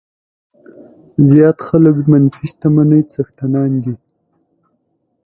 زیات خلک منفي شتمنۍ څښتنان دي.